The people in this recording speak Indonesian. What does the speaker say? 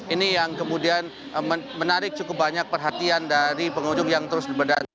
ini yang kemudian menarik cukup banyak perhatian dari pengunjung yang terus berdatangan